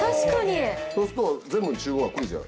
そうすると全部に中央が来るじゃん。